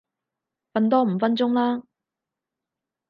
瞓多五分鐘啦